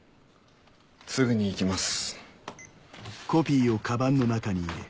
すぐに行きます。